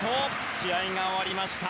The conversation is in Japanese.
試合が終わりました。